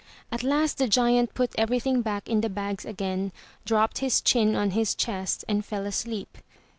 At last the giant put everything back in the bags again, dropped his chin on his chest and fell asleep.